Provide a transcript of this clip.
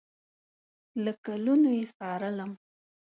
له کلونو یې څارلم